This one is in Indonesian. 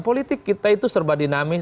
politik kita itu serba dinamis